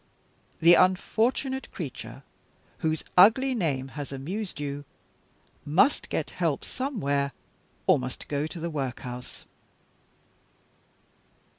The unfortunate creature, whose ugly name has amused you, must get help somewhere, or must go to the workhouse."